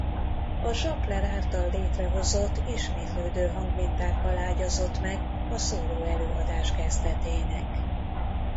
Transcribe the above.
A sampler által létrehozott ismétlődő hangmintákkal ágyazott meg a szóló előadás kezdetének.